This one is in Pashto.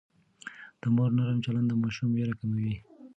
د مور نرم چلند د ماشوم وېره کموي.